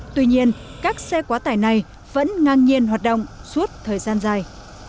tuy nhiên các xe quá tải này vẫn ngang nhiên hoạt động suốt thời gian dài